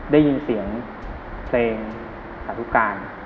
ได้ยินเสียงเพลงสาธุการ